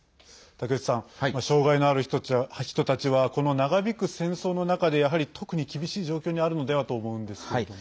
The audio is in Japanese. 竹内さん、障害のある人たちはこの長引く戦争の中で特に厳しい状況にあるのではと思うんですけれども。